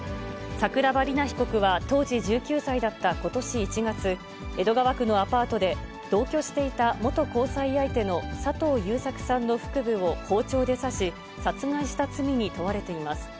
桜庭里菜被告は当時１９歳だったことし１月、江戸川区のアパートで、同居していた元交際相手の佐藤優作さんの腹部を包丁で刺し、殺害した罪に問われています。